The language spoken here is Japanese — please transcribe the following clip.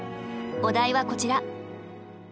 お題はこちら。